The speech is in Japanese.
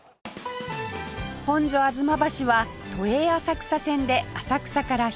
本所吾妻橋は都営浅草線で浅草から１駅